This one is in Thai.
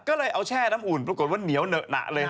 ก็เลยเอาแช่น้ำอุ่นปรากฏว่าเหนียวเหนอะหนักเลย